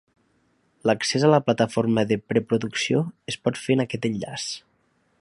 L'accés a la plataforma de preproducció es pot fer en aquest enllaç.